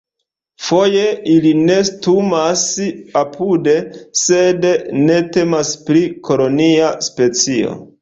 Foje ili nestumas apude, sed ne temas pri kolonia specio.